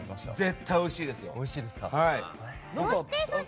絶対においしいですよ！